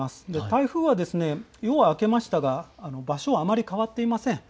台風は夜は明けましたが、場所はあまり変わっていません。